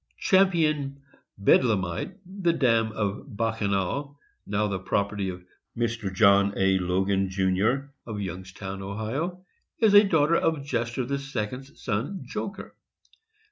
Champion Bedlamite, the dam of Bacchanal, now the property of Mr. John A. Logan, Jr., of Youngstown, Ohio, is a daughter of Jester II. 's son Joker.